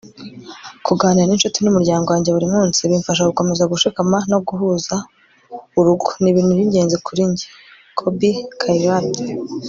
kuganira n'inshuti n'umuryango wanjye burimunsi bimfasha gukomeza gushikama no guhuza urugo. ni ibintu by'ingenzi kuri njye. - colbie caillat